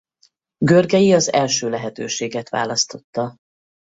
Görgei az első lehetőséget választotta.